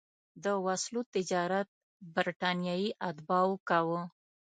د وسلو تجارت برټانیې اتباعو کاوه.